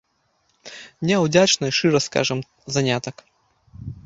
Няўдзячны, шчыра скажам, занятак!